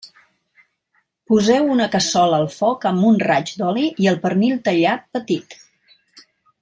Poseu una cassola al foc amb un raig d'oli i el pernil tallat petit.